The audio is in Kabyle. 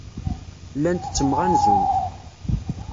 Llant ttemɣanzunt.